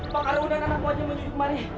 pakar undang anak wajah mencucuk mari